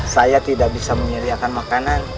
saya tidak bisa menyediakan makanan